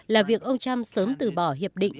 là việc ông trump sớm từ bỏ hiệp định